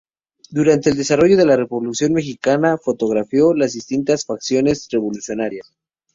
Durante el desarrollo de la Revolución Mexicana fotografió las distintas facciones revolucionarias.